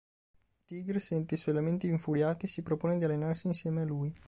Tigre sente i suoi lamenti infuriati e si propone di allenarsi insieme a lui.